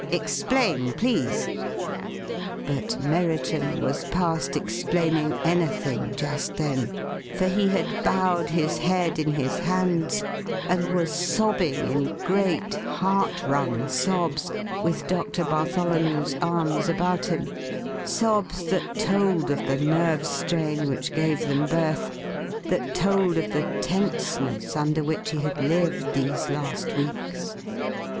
Explain, please!" But Merriton was past explaining anything just then. For he had bowed his head in his hands and was sobbing in great, heart wrung sobs with Doctor Bartholomew's arms about him, sobs that told of the nerve strain which gave them birth, that told of the tenseness under which he had lived these last weeks.